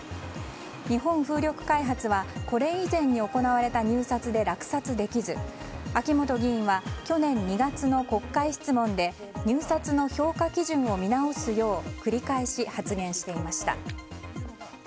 日本風力開発はこれ以前に行われた入札で落札できず秋本議員は去年２月の国会質問で入札の評価基準を見直すよう繰り返し発言していました。